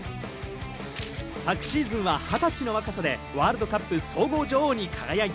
昨シーズンは二十歳の若さでワールドカップ総合女王に輝いた。